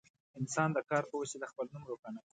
انسان د کار په وسیله خپل نوم روښانه کوي.